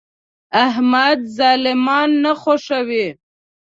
احمد ظالمان نه خوښوي.